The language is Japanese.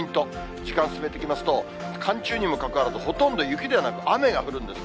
時間進めていきますと、寒中にもかかわらず、ほとんど雪ではなく雨が降るんですね。